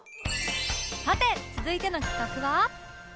さて続いての企画は